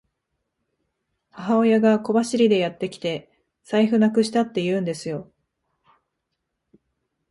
母親が小走りでやってきて、財布なくしたって言うんですよ。